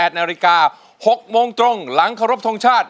๘นาฬิกา๖โมงตรงหลังเคารพทงชาติ